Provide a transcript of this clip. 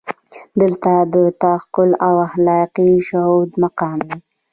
دلته د تعقل او اخلاقي شهود مقام دی.